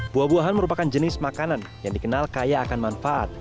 buah buahan merupakan jenis makanan yang dikenal kaya akan manfaat